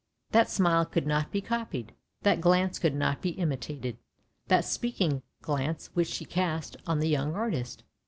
" That smile could not be copied, that glance could not be imitated — that speaking glance which she cast on the young artist!